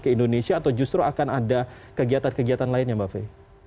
ke indonesia atau justru akan ada kegiatan kegiatan lainnya mbak fe